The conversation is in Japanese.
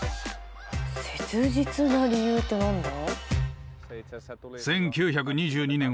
切実な理由って何だ？